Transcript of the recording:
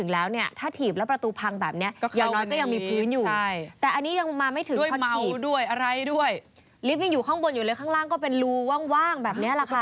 ลิฟต์ยังอยู่ข้างบนอยู่เลยข้างล่างก็เป็นรูว่างแบบนี้แหละค่ะ